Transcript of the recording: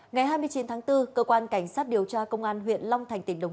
ngày hai mươi chín tháng bốn cơ quan cảnh sát điều tra công an huyện long thành tỉnh đồng